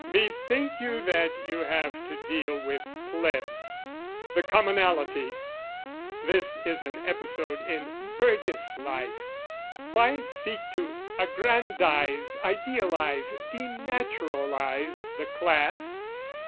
Bethink you that you have to deal with plebs, The commonalty; this is an episode In burgess life, why seek to aggrandise, Idealise, denaturalise the class?